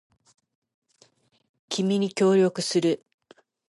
君に協力する